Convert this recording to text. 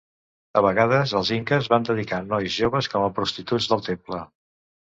A vegades, els inques van dedicar nois joves com a prostituts del temple.